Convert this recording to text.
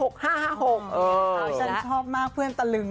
ฉันชอบมากเพื่อนตะลึง